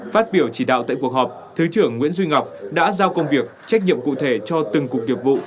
phát biểu chỉ đạo tại cuộc họp thứ trưởng nguyễn duy ngọc đã giao công việc trách nhiệm cụ thể cho từng cục nghiệp vụ